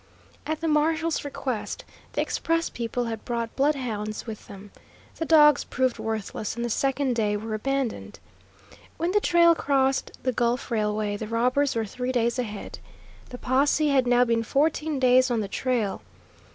At the marshal's request the express people had brought bloodhounds with them. The dogs proved worthless, and the second day were abandoned. When the trail crossed the Gulf Railway the robbers were three days ahead. The posse had now been fourteen days on the trail.